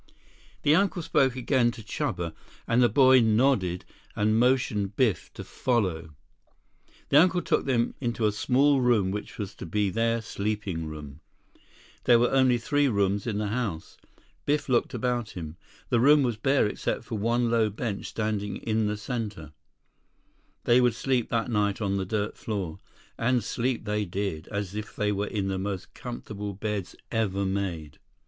96 The uncle spoke again to Chuba, and the boy nodded and motioned Biff to follow. The uncle took them into a small room which was to be their sleeping room. There were only three rooms in the house. Biff looked about him. The room was bare except for one low bench standing in the center. They would sleep that night on the dirt floor. And sleep they did, as if they were in the most comfortable beds ever made.